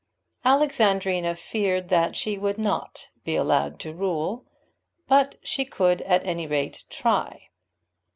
Alexandrina feared that she would not be allowed to rule, but she could at any rate try.